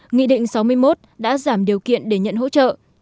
nghị định sáu mươi một đã giảm điều kiện để nhận hỗ trợ